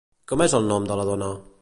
Com és el nom de la dona?